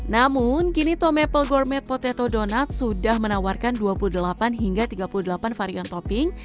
namun kini tom apple gourmet potato donut sudah menawarkan dua puluh delapan hingga tiga puluh delapan varian topping